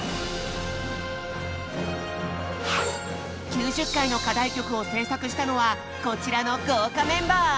９０回の課題曲を制作したのはこちらの豪華メンバー。